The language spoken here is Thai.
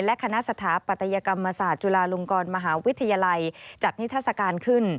และคณะสถาปัตยกรรมศาสตร์จุฬาลงกรมหาวิทยาลัยจัดนิทัศกาลขึ้น